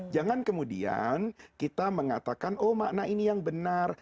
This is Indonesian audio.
jangan kemudian kita mengatakan oh makna ini yang benar